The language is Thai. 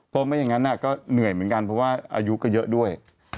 เพราะไม่อย่างนั้นก็เหนื่อยเหมือนกันเพราะว่าอายุก็เยอะด้วย